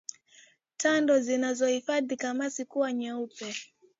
Tando zinazohifadhi kamasi kuwa nyeupe